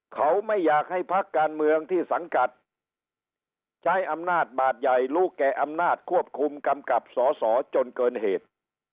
เขาไม่อยากให้พักการเมืองที่สังกัดใช้อำนาจบาดใหญ่รู้แก่อำนาจควบคุมกำกับสอสอจนเกินเหตุ